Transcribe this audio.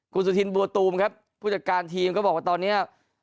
คุณสุธินบัวตูมครับผู้จัดการทีมก็บอกว่าตอนนี้